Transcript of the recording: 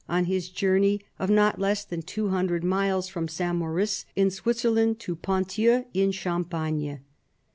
on his journey of not less than 200 miles from St. Maurice in Switzerland, to Ponthieu in Cham pagne.